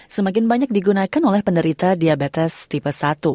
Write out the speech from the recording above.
semakin banyak digunakan oleh penderita diabetes tipe satu